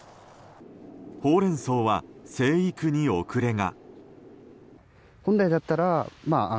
ホウレンソウは生育に遅れが。